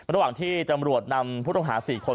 ระหว่างที่ตำรวจนำผู้ต้องหา๔คน